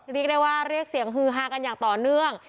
เรียกได้ว่าเรียกเสียงฮือฮากันอย่างต่อเนื่อง